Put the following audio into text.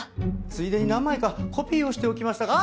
ついでに何枚かコピーをしておきましたが。